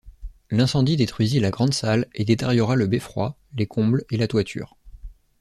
L'incendie détruisit la Grande Salle et détériora le beffroi, les combles et la toiture.